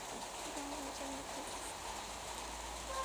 Brown একজন মিথ্যাবাদী।